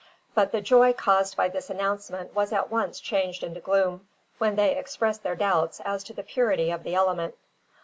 But the joy caused by this announcement was at once changed into gloom, when they expressed their doubts as to the purity of the element.